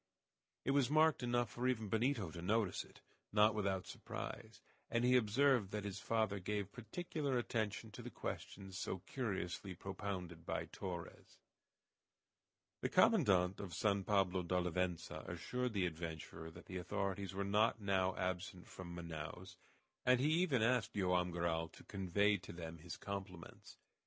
It was marked enough for even Benito to notice it, not without surprise, and he observed that his father gave particular attention to the questions so curiously propounded by Torres. The commandant of San Pablo d'Olivença assured the adventurer that the authorities were not now absent from Manaos, and he even asked Joam Garral to convey to them his compliments.